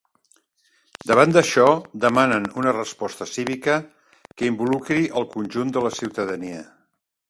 Davant d’això, demanen una resposta cívica que involucri el conjunt de la ciutadania.